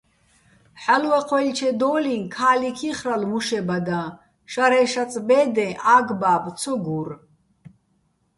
ჰ̦ალო̆ ვაჴვაჲლჩედო́ლიჼ ქა́ლიქ იხრალო̆ მუშებადაჼ, შარე შაწ ბე́დე ა́გ-ბა́ბო̆ ცო გურ.